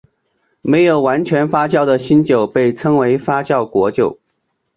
没有完全发酵的新酒被称为发酵果酒。